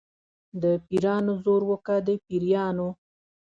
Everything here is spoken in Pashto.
د پیرانو زور و که د پیریانو.